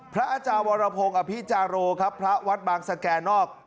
พระอาจารย์วรพงศ์อภิจาโรครับพระวัดบางสแก่นอก